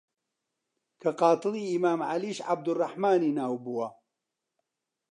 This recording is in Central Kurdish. کە قاتڵی ئیمام عەلیش عەبدوڕڕەحمانی ناو بووە